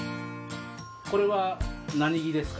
これは何着ですか？